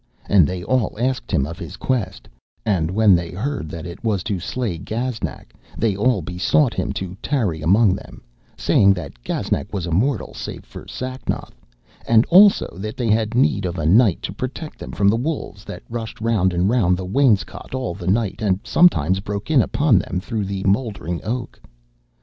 And they all asked him of his quest, and when they heard that it was to slay Gaznak, they all besought him to tarry among them, saying that Gaznak was immortal, save for Sacnoth, and also that they had need of a knight to protect them from the wolves that rushed round and round the wainscot all the night and sometimes broke in upon them through the mouldering oak.